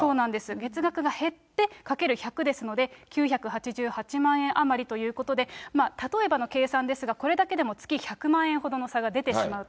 月額が減って、かける１００ですので、９８８万円余りということで、例えばの計算ですが、これだけでも月１００万円ほどの差が出てしまうと。